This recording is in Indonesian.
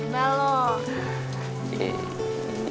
gak boleh loh